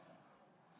doain ya be